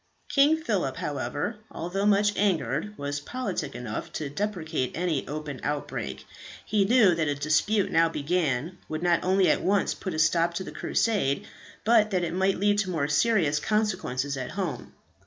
King Phillip, however, although much angered, was politic enough to deprecate any open outbreak. He knew that a dispute now began, would not only at once put a stop to the Crusade, but that it might lead to more serious consequences at home.